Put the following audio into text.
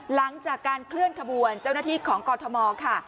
หลังจากการเคลื่อนขบวนเจ้าหน้าที่ของกรทมค่ะ